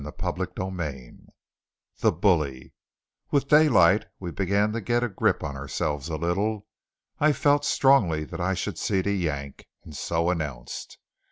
CHAPTER XXVIII THE BULLY With daylight we began to get a grip on ourselves a little. I felt strongly that I should see to Yank, and so announced.